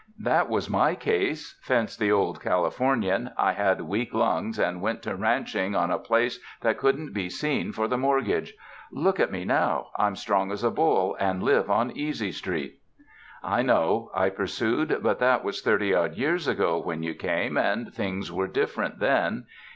"That was my case," fenced the Old Californian, "I had weak lungs and went to ranching on a place that couldn't be seen for the mortgage. Look at me now. I'm strong as a bull and live on Easy Street." "I know," I pursued, "but that was thirty odd years ago when you came and things were different then.